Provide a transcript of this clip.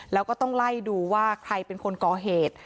แล้วก็ต้องไล่ดูว่าใครเป็นคนก่อเหตุ